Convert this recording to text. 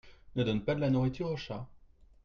ne donne pas de la nourriture au chat.